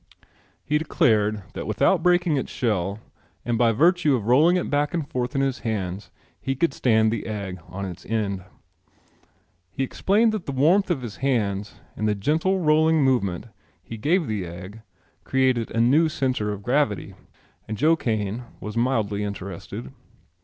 He declared that without breaking its shell and by virtue of rolling it back and forth in his hands he could stand the egg on its end. He explained that the warmth of his hands and the gentle rolling movement he gave the egg created a new centre of gravity, and Joe Kane was mildly interested.